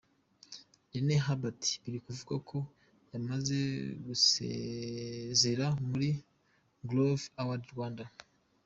Rene Hubert biri kuvugwa ko yamaze gusezera muri Groove Award Rwanda.